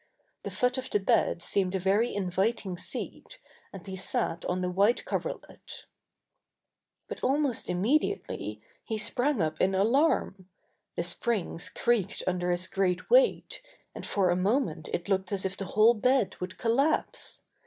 The foot of the bed seemed a very inviting seat, and he sat on the white coverlet But almost immediately he sprang up in alarm. The springs creaked under his great weight, and for a moment it looked as if the whole bed would collapse.